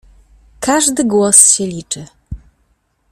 Każdy głos się liczy.